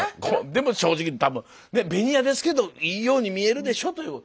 でも正直多分ベニヤですけどいいように見えるでしょという。